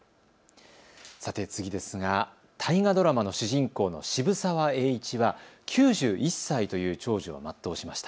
大河ドラマの主人公の渋沢栄一は９１歳という長寿を全うしました。